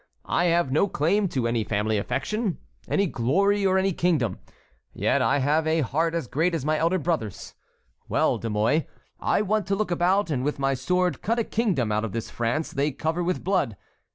I have no claim to any family affection, any glory, or any kingdom. Yet I have a heart as great as my elder brother's. Well, De Mouy, I want to look about and with my sword cut a kingdom out of this France they cover with blood.